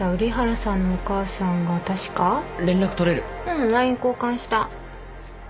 ＬＩＮＥ交換した。